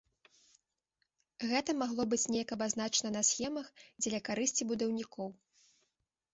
Гэта магло быць неяк абазначана на схемах дзеля карысці будаўнікоў.